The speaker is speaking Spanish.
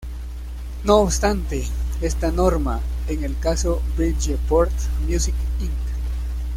No obstante, esta norma, en el caso Bridgeport Music, Inc.